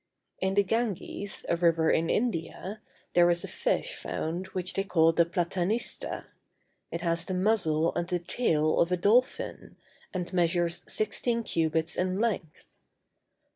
In the Ganges, a river of India, there is a fish found which they call the platanista; it has the muzzle and the tail of the dolphin, and measures sixteen cubits in length.